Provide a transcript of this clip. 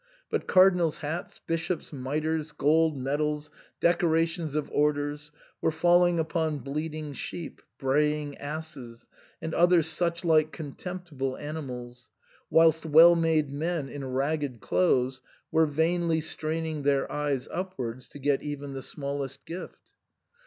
But cardinals' hats, bishops* mitres, gold medals, deco rations of orders, were falling upon bleating sheep, braying asses, and other such like contemptible ani mals, whilst well made men in ragged clothes were vainly straining their eyes upwards to get even the smallest gift.